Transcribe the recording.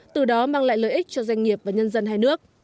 từ đó mang lại lợi ích cho doanh nghiệp và nhân dân hai nước